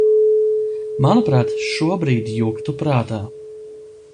Manuprāt, šobrīd juktu prātā.